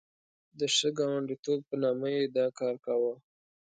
د ښه ګاونډیتوب په نامه یې دا کار کاوه.